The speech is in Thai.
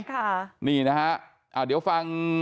ค่ะนี่นะฮะ